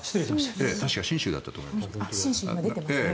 確か神舟だったと思います。